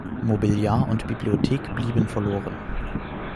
Mobiliar und Bibliothek blieben verloren.